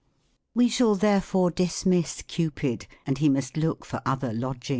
We shall thei fore dismiss Cupid, and he must look for I OTHER LODGINGS.